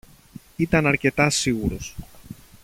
ήταν αρκετά σίγουρος